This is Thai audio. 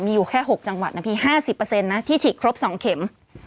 มีอยู่แค่๖จังหวัดนะพี่๕๐นะที่ฉีดครบ๒เข็ม